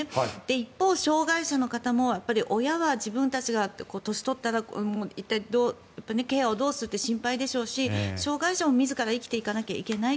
一方、障害者の方も親は、自分たちが年を取ったら一体、ケアをどうするって心配でしょうし障害者も自ら生きていかなきゃいけない。